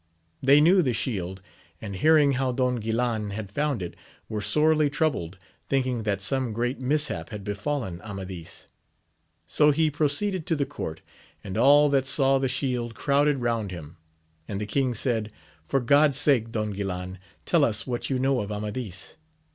They knew the shield, and hearing how Don Guilan had found it, were sorely troubled, thinking that some great mishap had befallen Amadis. So he proceeded to the court, and all that saw the shield crowded round him ; and the king said. For God's sake, Don Guilan, tell us what you know of Amadis.